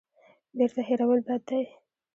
بیرته هېرول بد دی.